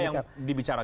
apa yang dibicarakan